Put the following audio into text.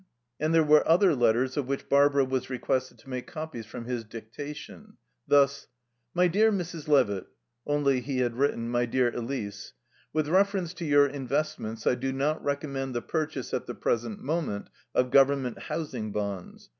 And there were other letters of which Barbara was requested to make copies from his dictation. Thus: "My Dear Mrs. Levitt" (only he had written "My dear Elise"), "With reference to your investments I do not recommend the purchase, at the present moment, of Government Housing Bonds.